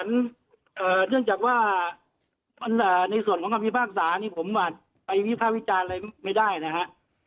เนื่องจากว่าในส่วนของคำพิพากษานี่ผมไปวิภาควิจารณ์อะไรไม่ได้นะฮะ